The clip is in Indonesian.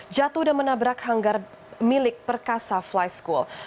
jatuh dan menabrak hanggar milik perkasa fly school